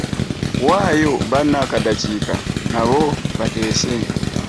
Waayo banno akaddakiika nabo bateese.